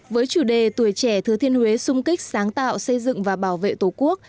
với chủ đề tuổi trẻ thứ thiên huế xung kích sáng tạo xây dựng và bảo vệ tổ quốc